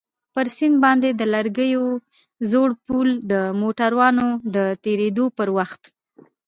پر سيند باندى د لرګيو زوړ پول د موټرانو د تېرېدو پر وخت.